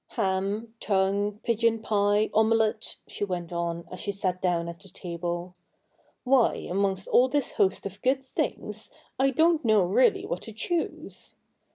Ham — tongue — pigeon pie — omelette,' she went on, as she sat down at the table ;' why amongst all this host of good things, I don't know really what to choose.